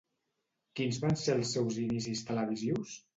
Quins van ser els seus inicis televisius?